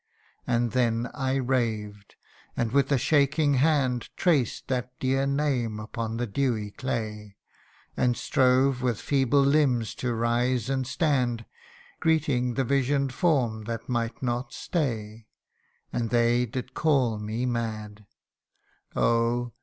And then I raved, and with a shaking hand Traced that dear name upon the dewy clay, And strove with feeble limbs to rise and stand, Greeting the vision'd form that might not stay. 126 THE UNDYING ONE. And they did call me mad oh